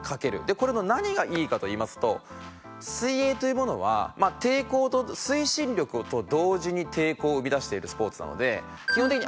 これの何がいいかといいますと水泳というものは抵抗と推進力と同時に抵抗を生み出しているスポーツなので基本的に泡が出てるっていう事は抵抗なんですよ